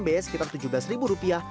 biaya sekitar tujuh belas ribu rupiah